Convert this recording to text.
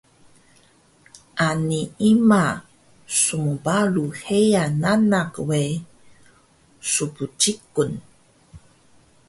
Ani ima smparu heya nanak we sbciqun